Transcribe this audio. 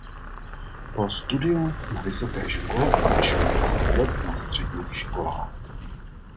Po studiu na vysoké škole učil deset let na středních školách.